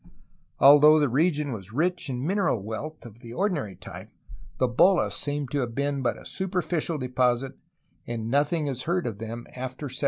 Although the region was rich in mineral wealth of the ordinary type, the holas seem to have been but a superficial deposit, and nothing is heard of them after 1741.